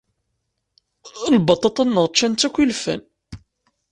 Lbaṭaṭa-nneɣ ččan-tt akk yilfan.